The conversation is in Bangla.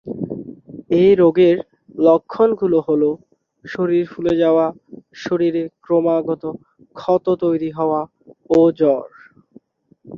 এ রোগের লক্ষণগুলো হলো শরীর ফুলে যাওয়া, শরীরে ক্রমাগত ক্ষত তৈরি হওয়া ও জ্বর।